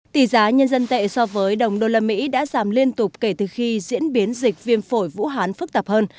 tỷ giá nhân dân tệ so với đồng đô la mỹ đã giảm liên tục kể từ khi diễn biến dịch viêm phổi vũ hán phức tạp hơn